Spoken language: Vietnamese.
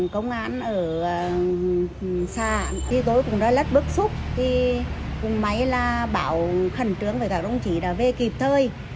công an thị xã thái hòa đã xác lập chuyên án để đấu tranh triệt phá